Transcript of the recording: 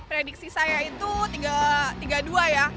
prediksi saya itu tiga dua ya